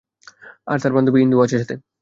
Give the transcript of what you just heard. আর তার বান্ধবী ইন্দু ও সাথে আছে।